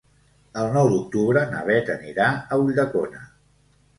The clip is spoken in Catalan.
El nou d'octubre na Beth anirà a Ulldecona.